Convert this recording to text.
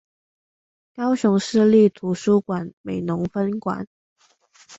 高雄市立圖書館美濃分館